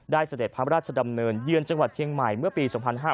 เสด็จพระราชดำเนินเยือนจังหวัดเชียงใหม่เมื่อปี๒๕๕๙